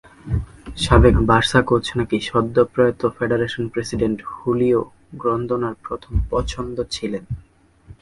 সাবেক Barca coach নাকি সদ্যপ্রয়াত ফেডারেশন প্রেসিডেন্ট হুলিও গ্রন্দোনার প্রথম পছন্দ ছিলেন।